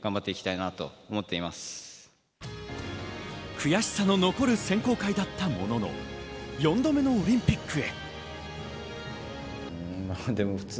悔しさの残る選考会だったものの、４度目のオリンピックへ。